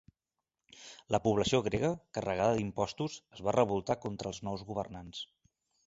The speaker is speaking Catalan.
La població grega, carregada d'impostos, es va revoltar contra els nous governants.